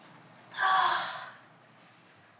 ああ。